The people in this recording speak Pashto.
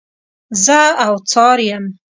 زه اوڅار یم.